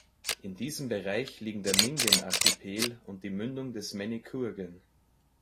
In diesem Bereich liegen der Mingan-Archipel und die Mündung des Manicouagan.